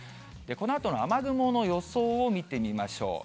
このあとの雨雲の予想を見てみましょう。